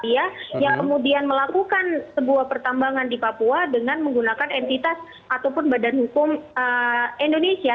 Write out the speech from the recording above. yang kemudian melakukan sebuah pertambangan di papua dengan menggunakan entitas ataupun badan hukum indonesia